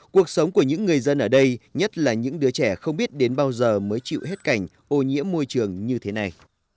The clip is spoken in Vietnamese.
cuộc sống của những người dân ở đây nhất là những đứa trẻ không biết đến bao giờ mới chịu hết cảnh ô nhiễm môi trường như thế này